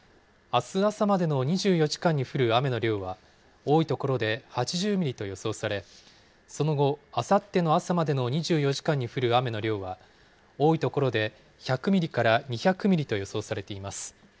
あす朝までの２４時間に降る雨の量は多い所で８０ミリと予想され、その後、あさっての朝までの２４時間に降る雨の量は、多い所で１００ミリから２００ミリと予想されています。